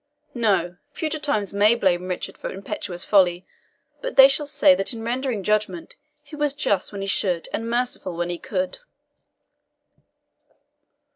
No! future times may blame Richard for impetuous folly, but they shall say that in rendering judgment he was just when he should and merciful when he could."